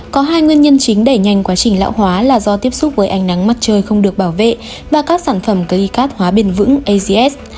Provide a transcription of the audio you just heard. có hai nguyên nhân chính đẩy nhanh quá trình lão hóa là do tiếp xúc với ánh nắng mặt trời không được bảo vệ và các sản phẩm cicat hóa bền vững as